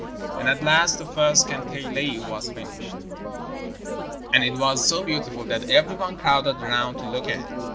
And at last the first kantele was finished, and it was so beautiful that every one crowded round to look at it.